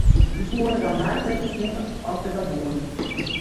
Dy koenen dan maatregels nimme at se dat woenen.